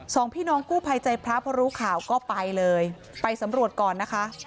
สองพี่น้องกู้ภัยใจพระพอรู้ข่าวก็ไปเลยไปสำรวจก่อนนะคะ